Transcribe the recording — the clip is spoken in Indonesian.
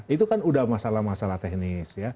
itu kan sudah masalah masalah teknis